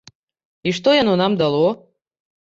І што яно нам дало?